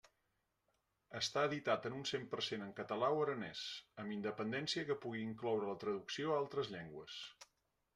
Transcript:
Estar editat en un cent per cent en català o aranès, amb independència que pugui incloure la traducció a altres llengües.